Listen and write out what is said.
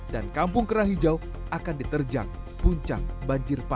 dan kampung kerang hijau akan diterjang puncak banjir pasar